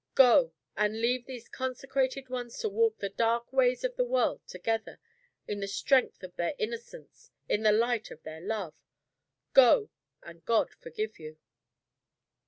Go; and leave these consecrated ones to walk the dark ways of the world together, in the strength of their innocence, in the light of their love. Go and God forgive you!"